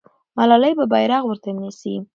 ملالۍ به بیرغ ورته نیسي.